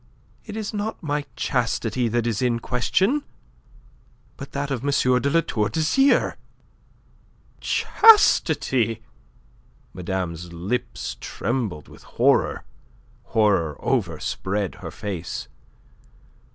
"It is not my chastity that is in question; but that of M. de La Tour d'Azyr." "Chastity!" Madame's lips trembled with horror. Horror overspread her face.